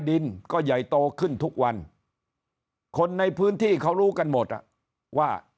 ดินก็ใหญ่โตขึ้นทุกวันคนในพื้นที่เขารู้กันหมดอ่ะว่า